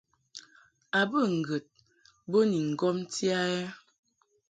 A bə ŋgəd bo ni ŋgomti a ɛ ?